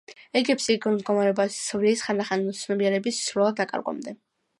იგი ფსიქიკურ მდგომარეობას ცვლის, ხანდახან ცნობიერების სრულად დაკარგვამდე.